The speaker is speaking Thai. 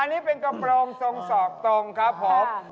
อันนี้เป็นกระโปรงทรงศอกตรงครับผม